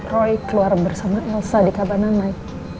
roy keluar bersama elsa di kabanamai